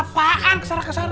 apaan kesana kesana